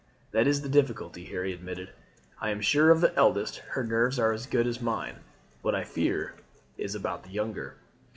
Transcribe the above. "That is the difficulty," Harry admitted. "I am sure of the eldest. Her nerves are as good as mine; what I fear is about the younger."